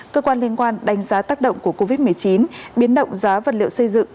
cơ quan liên quan đánh giá tác động của covid một mươi chín biến động giá vật liệu xây dựng